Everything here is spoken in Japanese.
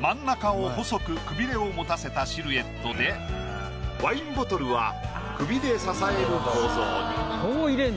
真ん中を細くくびれを持たせたシルエットでワインボトルは首で支える構造に。